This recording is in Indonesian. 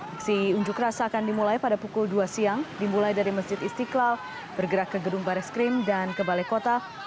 aksi unjuk rasa akan dimulai pada pukul dua siang dimulai dari masjid istiqlal bergerak ke gedung baris krim dan ke balai kota